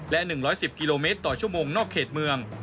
และ๑๑๐กิโลเมตรต่อชั่วโมงนอกเขตเมือง